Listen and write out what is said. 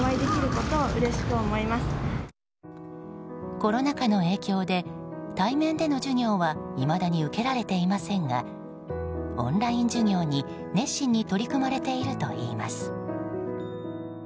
コロナ禍の影響で対面での授業はいまだに受けられていませんがオンライン授業に、熱心に取り組まれているといいます。